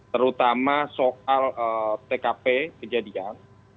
terutama soal tkp kejadian